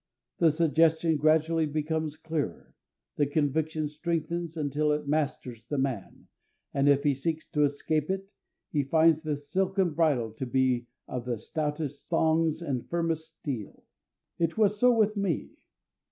The suggestion gradually becomes clearer, the conviction strengthens until it masters the man, and if he seeks to escape it, he finds the silken bridle to be one of stoutest thongs and firmest steel. It was so with me.